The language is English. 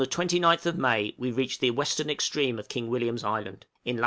} Upon the 29th of May we reached the western extreme of King William's Island, in lat.